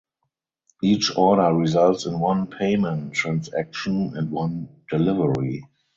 Each order results in one Payment transaction and one Delivery.